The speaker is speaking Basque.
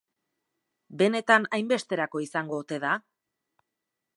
Benetan hainbesterako izango ote da?